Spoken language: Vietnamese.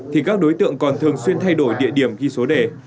thì các đối tượng còn thường xuyên thay đổi địa điểm ghi số đề